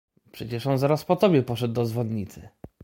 "Przecież on zaraz po tobie poszedł do dzwonnicy."